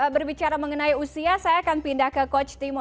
berbicara mengenai usia saya akan pindah ke coach timo